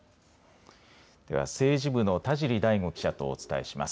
では、政治部の田尻大湖記者とお伝えします。